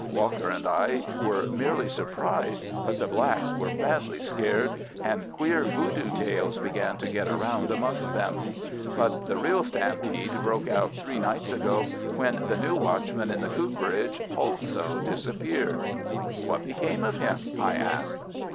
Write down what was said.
Walker and I were merely surprised, but the blacks were badly scared, and queer Voodoo tales began to get about amongst them. But the real stampede broke out three nights ago, when the new watchman in the cooperage also disappeared." "What became of him?" I asked.